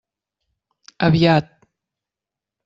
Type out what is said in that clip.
Aviat.